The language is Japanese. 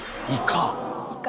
イカ！